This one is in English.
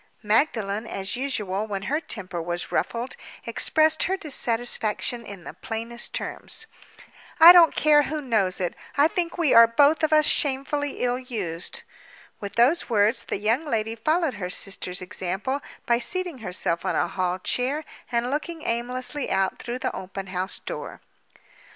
Magdalen, as usual when her temper was ruffled, expressed her dissatisfaction in the plainest terms. "I don't care who knows it—I think we are both of us shamefully ill used!" With those words, the young lady followed her sister's example by seating herself on a hall chair and looking aimlessly out through the open house door.